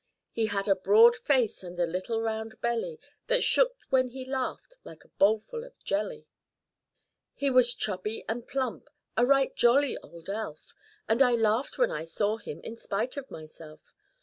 He had a broad face and a little round belly, That shook, when he laughed, like a bowl full of jelly. He was chubby and plump‚ÄĒa right jolly old elf; And I laughed when I saw him, in spite of myself.